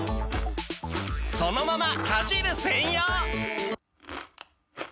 そのままかじる専用！